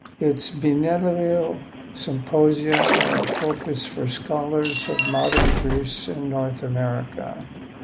Its biennial symposia are a focus for scholars of modern Greece in North America.